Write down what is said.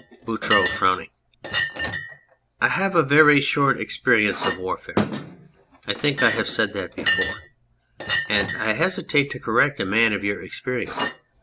BOUTROUX (frowning). I have a very short experi ence of warfare I think I have said that before and I hesitate to correct a man of your experience.